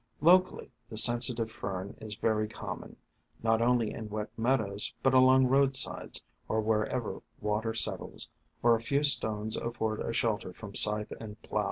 Locally, the Sensitive 2O2 THE FANTASIES OF FERNS Fern is very common, not only in wet meadows, but along roadsides, or wherever water settles, or a few stones afford a shelter from scythe and plow.